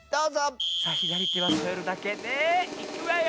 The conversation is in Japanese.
さあひだりてはそえるだけでいくわよ！